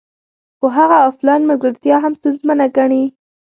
خو هغه افلاین ملګرتیا هم ستونزمنه ګڼي